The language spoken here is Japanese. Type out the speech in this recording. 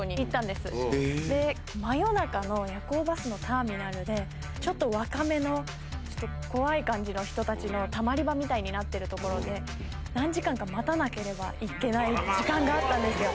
で真夜中の夜行バスのターミナルでちょっと若めの怖い感じの人たちのたまり場みたいになってる所で何時間か待たなければいけない時間があったんですよ。